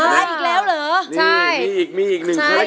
คล้ายไม่ล้อเหรอใช่ใช่นี่อีกคาแรคเตอร์